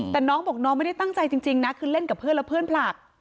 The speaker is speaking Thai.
แต่น้องบอกน้องไม่ได้ตั้งใจจริงนะคือเล่นกับเพื่อนแล้วเพื่อนผลัก